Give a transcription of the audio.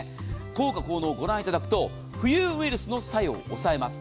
効果、効能をご覧いただくと浮遊ウイルスの作用を抑えます。